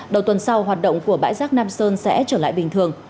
đầu tuần sau hoạt động của bãi rác nam sơn sẽ trở lại bình thường